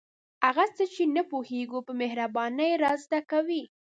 هغه څه چې نه پوهیږو په مهربانۍ را زده کوي.